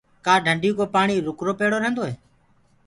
ڪآ ڍندي ڪو پآڻي رُڪرو پيڙو رهيندو هي؟